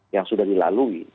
yang sudah dilalui